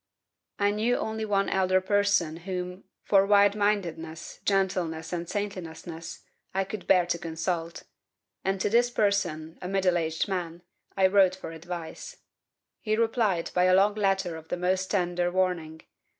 "I knew only one elder person whom (for wide mindedness, gentleness, and saintliness) I could bear to consult; and to this person, a middle aged man, I wrote for advice. He replied by a long letter of the most tender warning.